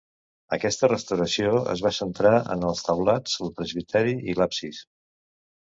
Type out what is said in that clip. Aquesta restauració es va centrar en els taulats, el presbiteri i l'absis.